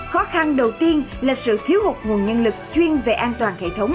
khó khăn đầu tiên là sự thiếu hụt nguồn nhân lực chuyên về an toàn hệ thống